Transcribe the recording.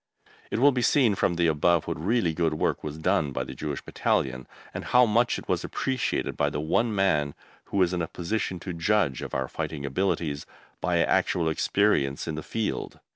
It will be seen from the above what really good work was done by the Jewish Battalion, and how much it was appreciated by the one man who was in a position to judge of our fighting abilities by actual experience in the field.